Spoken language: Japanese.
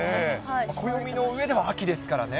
暦の上では秋ですからね。